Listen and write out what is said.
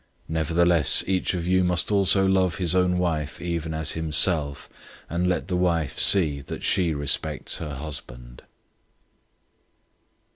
005:033 Nevertheless each of you must also love his own wife even as himself; and let the wife see that she respects her husband.